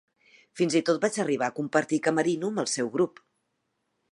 Fins i tot vaig arribar a compartir camerino amb el seu grup.